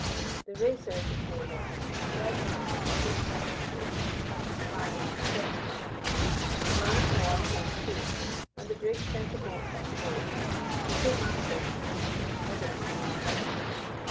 The Racer, before long, fell in with an English merchant brig having a flag of distress flying. The man of war hove to, and the brig sent a boat on board. The poor master who came in her was in a sad plight.